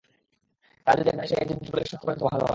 কাল যদি একবার এসে জিনিসগুলোকে শনাক্ত করে যান, তো ভালো হয়।